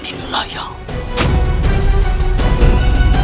aku harus memeriksa ruang tahanan